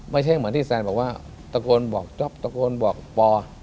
ไม่ใช่เหมือนที่แซนบอกว่าตะโกนบอกจ๊อปตะโกนบอกปอ